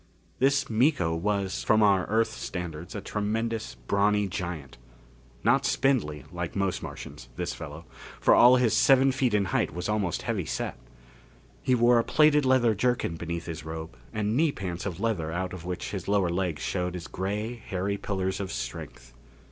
This Miko was, from our Earth standards, a tremendous, brawny giant. Not spindly, like most Martians, this fellow, for all his seven feet in height was almost heavy set. He wore a plaited leather jerkin beneath his robe and knee pants of leather out of which his lower legs showed as gray, hairy pillars of strength.